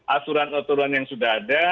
asuran otoran yang sudah ada